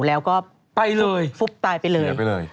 แล้วก็ฟุ๊บตายไปเลย